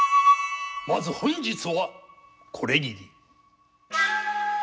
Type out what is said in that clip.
まず本日はこれぎり。